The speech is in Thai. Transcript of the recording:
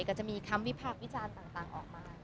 ก็จะมีคำวิพากษ์วิจารณ์ต่างออกมา